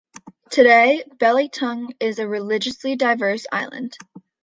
Today, Belitung is a religiously diverse island.